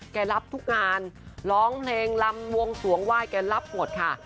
แกรับทุกงานร้องเพลงลำวงสวงไหว้แกรับหมดค่ะ